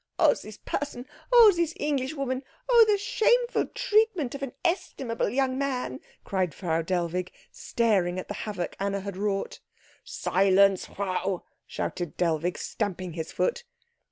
"Oh, this person! Oh, this Englishwoman! Oh, the shameful treatment of an estimable young man!" cried Frau Dellwig, staring at the havoc Anna had wrought. "Silence, Frau!" shouted Dellwig, stamping his foot.